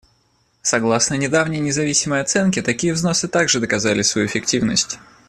Согласно недавней независимой оценке, такие взносы также доказали свою эффективность.